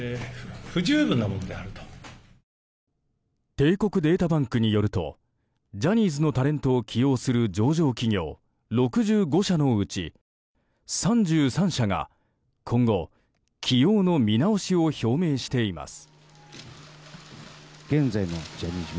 帝国データバンクによるとジャニーズのタレントを起用する上場企業６５社のうち３３社が今後、起用の見直しを表明しています。